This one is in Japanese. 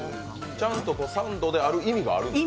ちゃんとサンドである意味があるんですか？